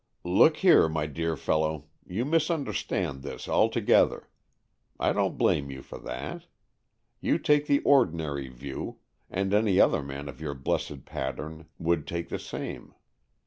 " Look here, my dear fellow, you mis understand this altogether. I don't blame you for that. You take the ordinary view, and any other man of your blessed pattern would take the same.